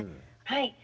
はい。